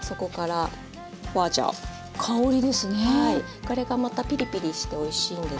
これがまたピリピリしておいしいんです。